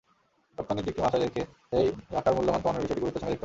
রপ্তানির দিকটি মাথায় রেখেই টাকার মূল্যমান কমানোর বিষয়টি গুরুত্বের সঙ্গে দেখতে হবে।